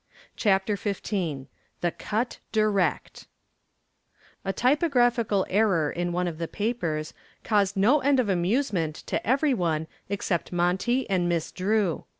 CHAPTER XV THE CUT DIRECT A typographical error in one of the papers caused no end of amusement to every one except Monty and Miss Drew.